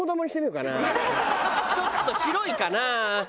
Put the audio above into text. ちょっと広いかな。